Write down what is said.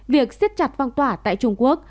việc xiết chặt phong tỏa tại trung quốc